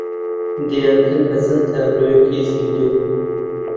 دەیانکەن بە چەند تابلۆیەکی زیندوو